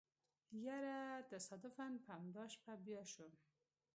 يره تصادفاً په امدا شپه بيا شوم.